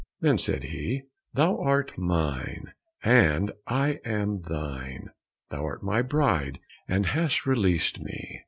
Then said he, "Thou art mine, and I am thine; thou art my bride, and hast released me."